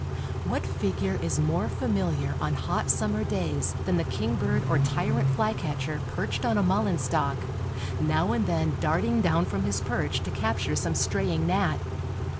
What figure is more familiar on hot summer days than the kingbird or tyrant flycatcher perched on a mullein stalk, now and then darting down from his perch to capture some straying gnat?